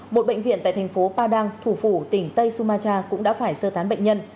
một bệnh viện tại thành phố padang thủ phủ tỉnh tây sumatra cũng đã phải sơ tán bệnh nhân